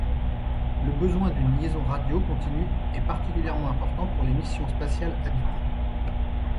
Le besoin d'une liaison radio continue est particulièrement important pour les missions spatiales habitées.